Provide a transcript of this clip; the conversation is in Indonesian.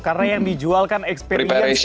karena yang dijual kan experience gitu ya